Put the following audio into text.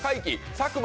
佐久間！